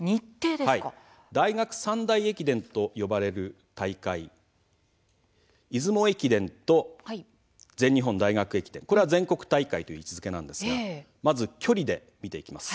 大学三大駅伝と呼ばれる大会出雲駅伝と全日本大学駅伝これは全国大会という位置づけなんですがまず距離で見ていきます。